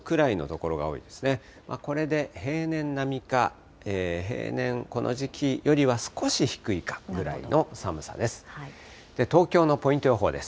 これで平年並みか、平年、この時期よりは少し低いかぐらいの寒さです。